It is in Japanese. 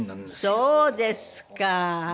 そうですか。